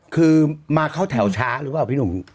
คือมาเข้าแถวช้าหรือเปล่าพี่หนุ่ม